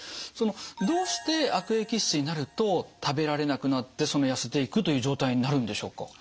そのどうして悪液質になると食べられなくなってそのやせていくという状態になるんでしょうか？